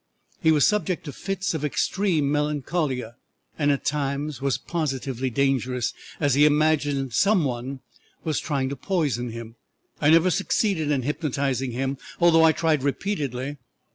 He was subject to fits of extreme melancholia, and at times was positively dangerous, as he imagined some one was trying to poison him. "I never succeeded in hypnotizing him, although I tried repeatedly.